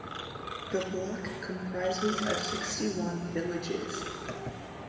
The block comprises sixty-one villages.